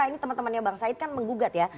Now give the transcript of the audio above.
ini teman temannya bang said kan menggugat ya